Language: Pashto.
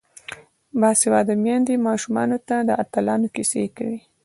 باسواده میندې ماشومانو ته د اتلانو کیسې کوي.